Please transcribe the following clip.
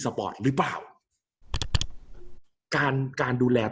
กับการสตรีมเมอร์หรือการทำอะไรอย่างเงี้ย